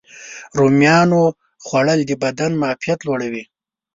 رومیانو خوړل د بدن معافیت لوړوي.